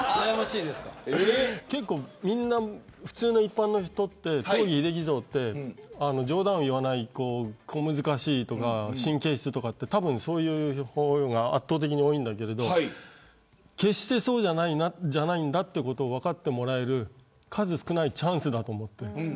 結構みんな、一般の人って東儀秀樹像って冗談を言わない、小難しいとか神経質とか、そういうイメージが圧倒的に多いんだけど決してそうじゃないんだということを分かってもらえる、数少ないチャンスだと思っています。